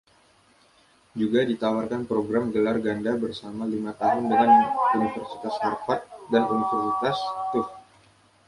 Juga ditawarkan program gelar ganda bersama lima tahun dengan Universitas Harvard dan Universitas Tufts.